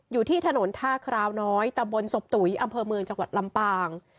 อยู่ที่ถนนท่าคราวน้อยตำบลศพตุ๋ยอำเภอเมืองจังหวัดลำปาง